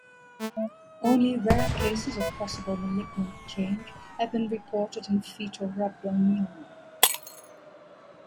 Only rare cases of possible malignant change have been reported in fetal rhabdomyoma.